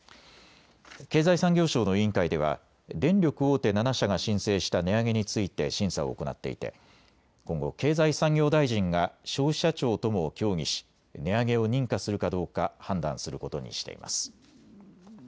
経済産業省の委員会では電力大手７社が申請した値上げについて審査を行っていて今後、経済産業大臣が消費者庁とも協議し値上げを認可するかどうか判断することにしています。